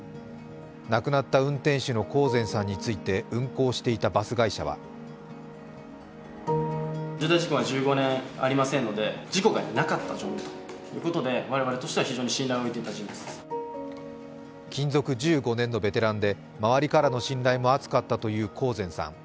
亡くなった運転手の興膳さんについて運行していたバス会社は勤続１５年のベテランで、周りからの信頼も厚かったという興膳さん。